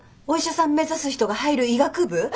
お医者さん目指す人が入る医学部？